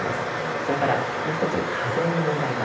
それからもう一つ課税の問題があります。